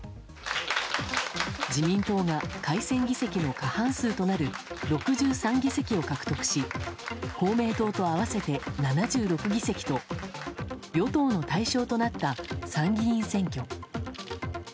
自民党が改選議席の過半数となる６３議席を獲得し公明党と合わせて７６議席と与党の大勝となった参議院選挙。